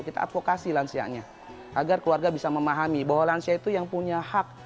kita advokasi lansianya agar keluarga bisa memahami bahwa lansia itu yang punya hak